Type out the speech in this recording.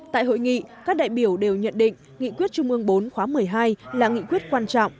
tại hội nghị các đại biểu đều nhận định nghị quyết trung ương bốn khóa một mươi hai là nghị quyết quan trọng